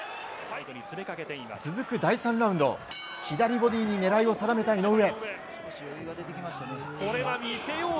続く第３ラウンド左ボディーに狙いを定めた井上。